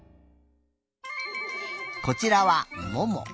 こちらはもも。